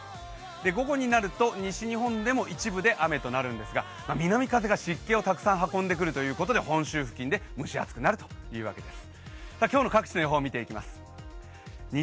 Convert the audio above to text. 午後になると、西日本でも一部雨となるんですが、南風が湿気をたくさん運んでくるということで、本州付近で蒸し暑くなるということです。